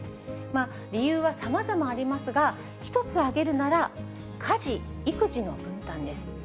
理由はさまざまありますが、１つ挙げるなら、家事・育児の分担です。